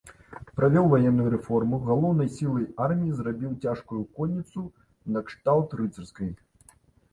Правёў ваенную рэформу, галоўнаю сілай арміі зрабіў цяжкую конніцу накшталт рыцарскай.